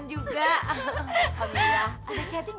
ada chatting gak ya di sini